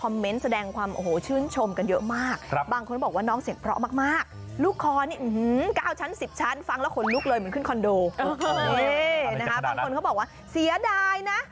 โอเคฮ่างคนเค้าบอกว่าเสียดายนะ